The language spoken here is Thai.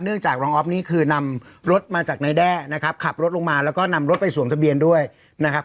จากรองออฟนี่คือนำรถมาจากนายแด้นะครับขับรถลงมาแล้วก็นำรถไปสวมทะเบียนด้วยนะครับ